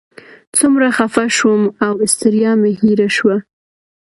څومره خفه شوم او ستړیا مې هېره شوه.